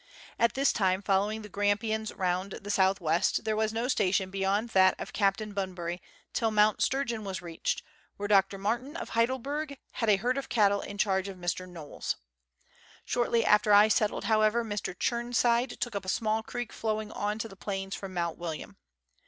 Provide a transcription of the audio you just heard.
At this time, following the Grampians round the south west, there was no station beyond that of Captain Bunbury till Mount Sturgeon was reached, where Dr. Martin, of Heidelberg, had a herd of cattle in charge of Mr. Knowles. Shortly after I settled, however, Mr. Chirnside took up a small creek flowing on to the plains from Mount William.